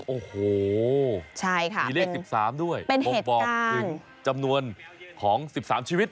โอ้โหมีเลข๑๓ด้วยบ่งบอกถึงจำนวนของ๑๓ชีวิต